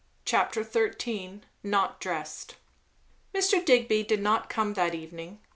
CHAPTER XIII. NOT DRESSED. Mr. Digby did not come that evening.